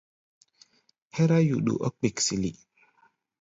Hɛ́rá yuɗu ɔ́ kpiksili.